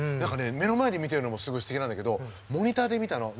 目の前で見てるのもすごいすてきなんだけどモニターで見たの。